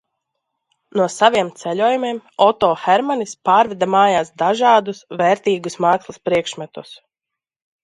No saviem ceļojumiem Oto Hermanis pārveda mājās dažādus, vērtīgus mākslas priekšmetus.